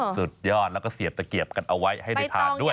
สุดยอดแล้วก็เสียบตะเกียบกันเอาไว้ให้ได้ทานด้วย